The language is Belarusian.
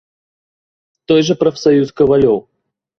Той жа прафсаюз кавалёў.